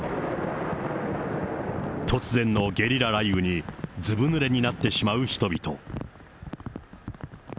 突然のゲリラ雷雨に、ずぶぬれになってしまう人々。